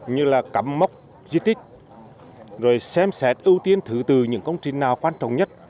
như là cắm mốc di tích rồi xem xét ưu tiên thứ từ những công trình nào quan trọng nhất